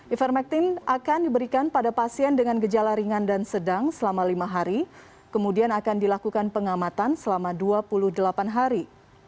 ivermectin akan diberikan pada pasien dengan gejala ringan dan sedang selama lima hari kemudian akan dilakukan pengamatan selama dua puluh delapan hari